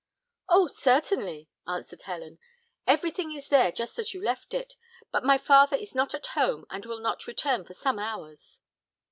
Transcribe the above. "Oh, certainly!" answered Helen. "Everything is there just as you left it; but my father is not at home, and will not return for some hours."